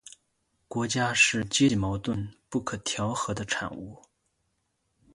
国家是阶级矛盾不可调和的产物